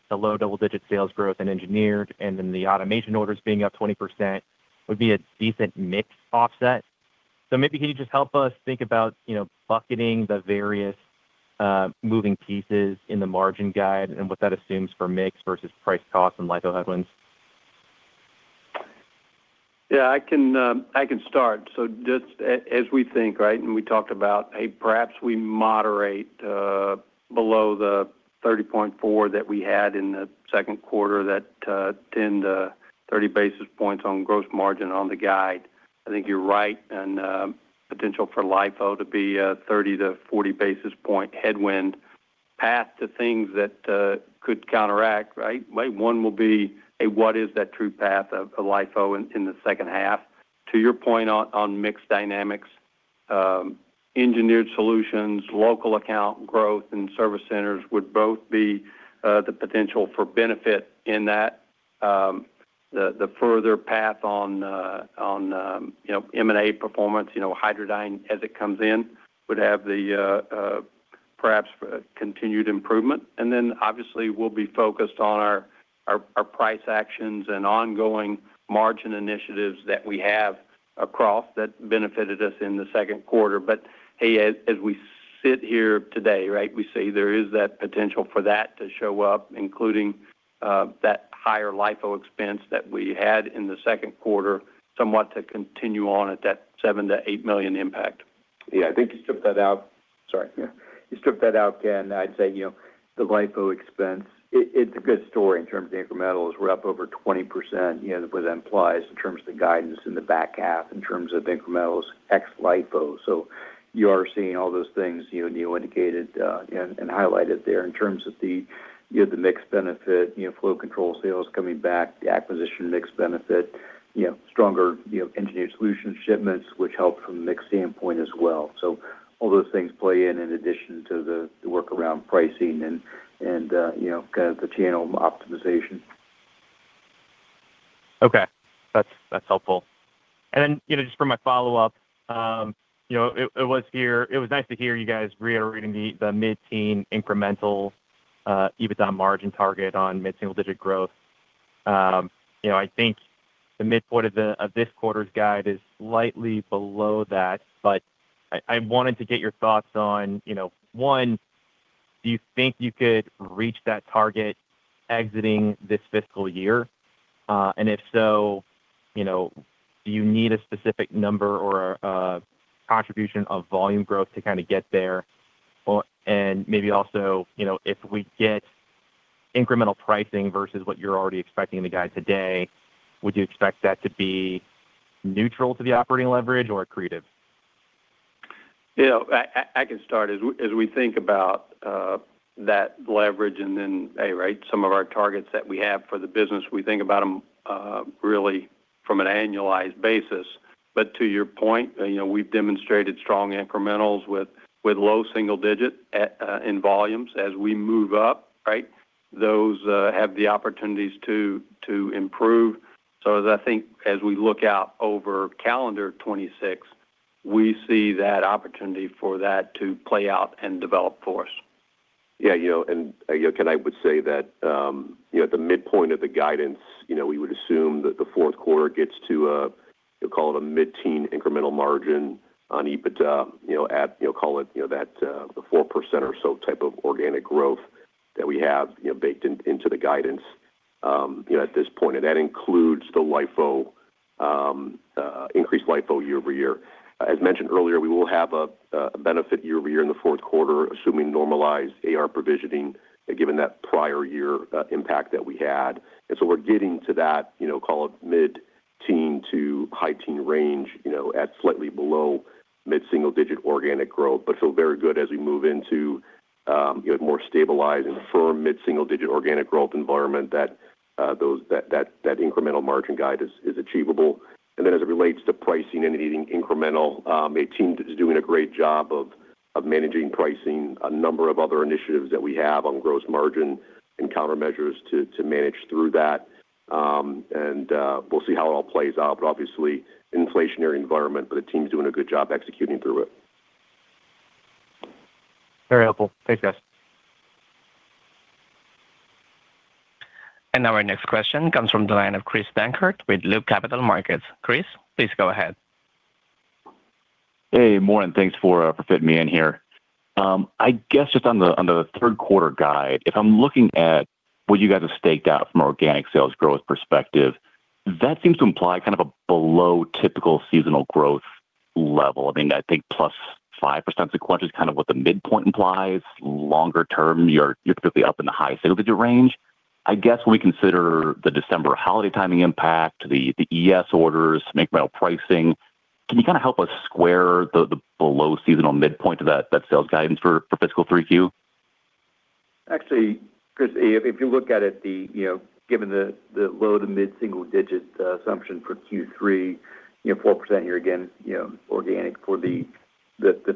the low double-digit sales growth in engineered, and then the automation orders being up 20% would be a decent mix offset. So maybe can you just help us think about bucketing the various moving pieces in the margin guide and what that assumes for mix versus price cost and LIFO headwinds? Yeah. I can start. So just as we think, right, and we talked about, hey, perhaps we moderate below the 30.4 that we had in the second quarter, that 10-30 basis points on gross margin on the guide. I think you're right on potential for LIFO to be a 30-40 basis point headwind, path to things that could counteract, right? One will be, hey, what is that true path of LIFO in the second half? To your point on mixed dynamics, Engineered Solutions, local account growth, and service centers would both be the potential for benefit in that. The further path on M&A performance, Hydradyne as it comes in would have the perhaps continued improvement. And then, obviously, we'll be focused on our price actions and ongoing margin initiatives that we have across that benefited us in the second quarter. But hey, as we sit here today, right, we see there is that potential for that to show up, including that higher LIFO expense that we had in the second quarter, somewhat to continue on at that $7 million-$8 million impact. Yeah. I think you stripped that out. Sorry. Yeah. You stripped that out, Ken. I'd say the LIFO expense, it's a good story in terms of incrementals. We're up over 20%, what that implies in terms of the guidance in the back half in terms of incrementals ex LIFO. So you are seeing all those things you indicated and highlighted there in terms of the mixed benefit, flow control sales coming back, the acquisition mix benefit, stronger Engineered Solutions shipments, which helps from a mixed standpoint as well. So all those things play in in addition to the workaround pricing and kind of the channel optimization. Okay. That's helpful. And then just for my follow-up, it was nice to hear you guys reiterating the mid-teen incremental EBITDA margin target on mid-single-digit growth. I think the midpoint of this quarter's guide is slightly below that, but I wanted to get your thoughts on, one, do you think you could reach that target exiting this fiscal year? And if so, do you need a specific number or a contribution of volume growth to kind of get there? And maybe also, if we get incremental pricing versus what you're already expecting in the guide today, would you expect that to be neutral to the operating leverage or accretive? Yeah. I can start. As we think about that leverage and then, hey, right, some of our targets that we have for the business, we think about them really from an annualized basis. But to your point, we've demonstrated strong incrementals with low single-digit in volumes. As we move up, right, those have the opportunities to improve. So I think as we look out over calendar 2026, we see that opportunity for that to play out and develop for us. Yeah. And again, I would say that at the midpoint of the guidance, we would assume that the fourth quarter gets to, you'll call it a mid-teen incremental margin on EBITDA at, you'll call it that 4% or so type of organic growth that we have baked into the guidance at this point. And that includes the LIFO, increased LIFO year-over-year. As mentioned earlier, we will have a benefit year-over-year in the fourth quarter, assuming normalized AR provisioning given that prior year impact that we had. And so we're getting to that, call it mid-teen to high-teen range at slightly below mid-single-digit organic growth, but feel very good as we move into a more stabilized and firm mid-single-digit organic growth environment that that incremental margin guide is achievable. And then as it relates to pricing and anything incremental, the team is doing a great job of managing pricing, a number of other initiatives that we have on gross margin and countermeasures to manage through that. And we'll see how it all plays out, but obviously, inflationary environment, but the team's doing a good job executing through it. Very helpful. Thanks, guys. And now our next question comes from the line of Chris Dankert with Loop Capital Markets. Chris, please go ahead. Hey, morning. Thanks for fitting me in here. I guess just on the third quarter guide, if I'm looking at what you guys have staked out from an organic sales growth perspective, that seems to imply kind of a below typical seasonal growth level. I mean, I think +5% sequence is kind of what the midpoint implies. Longer term, you're typically up in the high single-digit range. I guess when we consider the December holiday timing impact, the ES orders, incremental pricing, can you kind of help us square the below seasonal midpoint of that sales guidance for fiscal 3Q? Actually, Chris, if you look at it, given the low- to mid-single-digit assumption for Q3, 4% year again, organic for the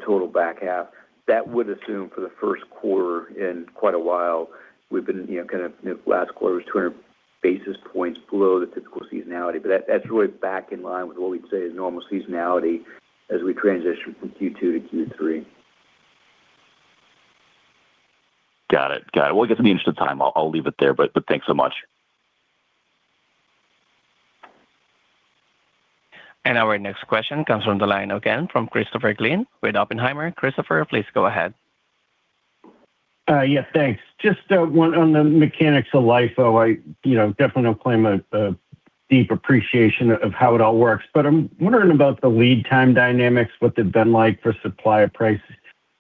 total back half, that would assume for the first quarter in quite a while. We've been kind of last quarter was 200 basis points below the typical seasonality, but that's really back in line with what we'd say is normal seasonality as we transition from Q2 to Q3. Got it. Got it. Well, I guess in the interest of time, I'll leave it there, but thanks so much. And our next question comes from the line again from Christopher Glynn with Oppenheimer. Christopher, please go ahead. Yes, thanks. Just on the mechanics of LIFO, I definitely don't claim a deep appreciation of how it all works, but I'm wondering about the lead time dynamics, what they've been like for supplier price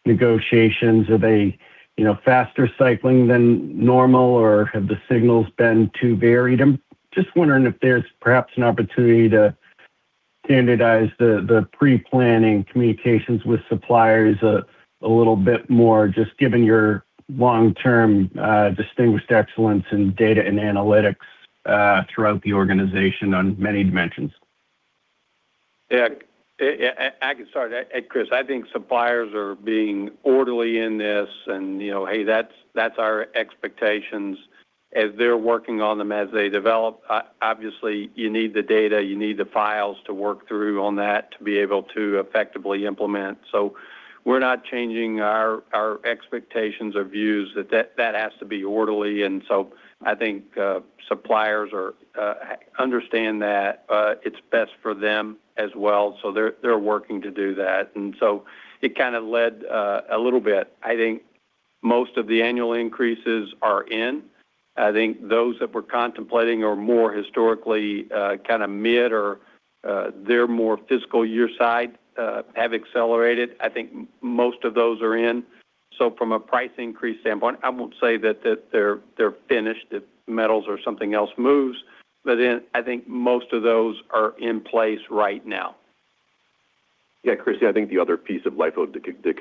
negotiations. Are they faster cycling than normal, or have the signals been too varied? I'm just wondering if there's perhaps an opportunity to standardize the pre-planning communications with suppliers a little bit more, just given your long-term distinguished excellence in data and analytics throughout the organization on many dimensions. Yeah. I can start. Chris, I think suppliers are being orderly in this and, hey, that's our expectations. As they're working on them as they develop, obviously, you need the data, you need the files to work through on that to be able to effectively implement. So we're not changing our expectations or views that that has to be orderly. And so I think suppliers understand that it's best for them as well. So they're working to do that. And so it kind of led a little bit. I think most of the annual increases are in. I think those that we're contemplating are more historically kind of mid or they're more fiscal year side have accelerated. I think most of those are in. So from a price increase standpoint, I won't say that they're finished if metals or something else moves, but then I think most of those are in place right now. Yeah. Chris, I think the other piece of LIFO to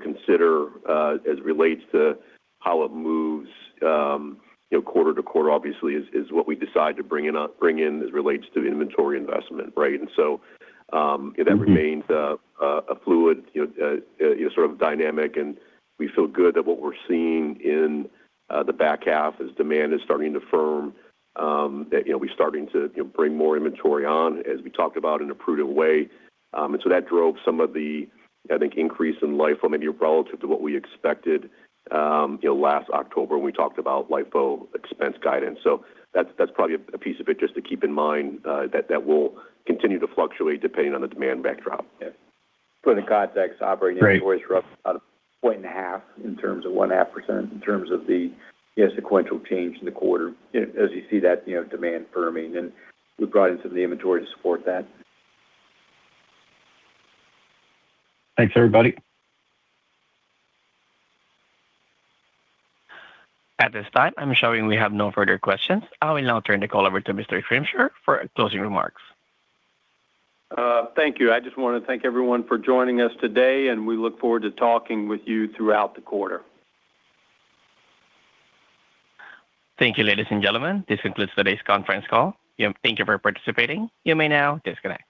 consider as it relates to how it moves quarter to quarter, obviously, is what we decide to bring in as it relates to inventory investment, right? And so that remains a fluid, sort of dynamic, and we feel good that what we're seeing in the back half is demand is starting to firm. We're starting to bring more inventory on, as we talked about, in a prudent way. And so that drove some of the, I think, increase in LIFO maybe relative to what we expected last October when we talked about LIFO expense guidance. So that's probably a piece of it just to keep in mind that will continue to fluctuate depending on the demand backdrop. Yeah. For the context, operating inventory roughly about a point and a half in terms of 0.5% in terms of the sequential change in the quarter, as you see that demand firming, and we brought in some of the inventory to support that. Thanks, everybody. At this time, I'm showing we have no further questions. I will now turn the call over to Mr. Schrimsher for closing remarks. Thank you. I just want to thank everyone for joining us today, and we look forward to talking with you throughout the quarter. Thank you, ladies and gentlemen. This concludes today's conference call. Thank you for participating. You may now disconnect.